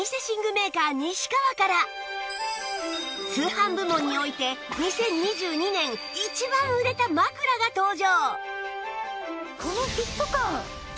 メーカー西川から通販部門において２０２２年一番売れた枕が登場！